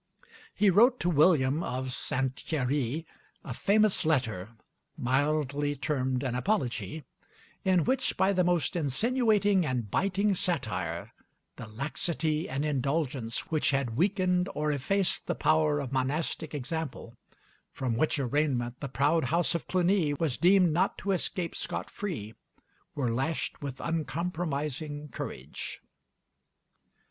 He wrote to William of St. Thierry a famous letter, mildly termed an Apology; in which, by the most insinuating and biting satire, the laxity and indulgence which had weakened or effaced the power of monastic example (from which arraignment the proud house of Cluny was deemed not to escape scot free) were lashed with uncompromising courage.